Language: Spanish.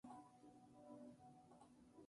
Además, fue filólogo, historiador y políglota.